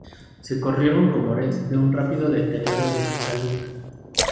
Se corrieron rumores de un rápido deterioro de su salud.